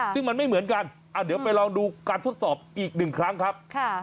ซึ่งมันไม่เหมือนกันเดี๋ยวไปลองดูการทดสอบอีกหนึ่งครั้งครับ